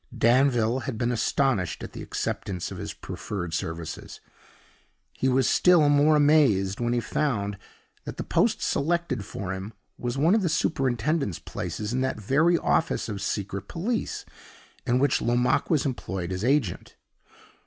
Danville had been astonished at the acceptance of his proffered services; he was still more amazed when he found that the post selected for him was one of the superintendent's places in that very office of Secret Police in which Lomaque was employed as agent.